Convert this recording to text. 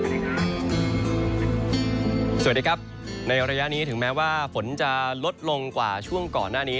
สวัสดีครับในระยะนี้ถึงแม้ว่าฝนจะลดลงกว่าช่วงก่อนหน้านี้